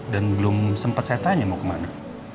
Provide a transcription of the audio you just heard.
dan belum sempat saya tanya mau ke mana